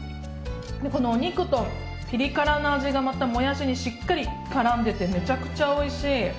でこのお肉とピリ辛の味がまたもやしにしっかりからんでてめちゃくちゃおいしい。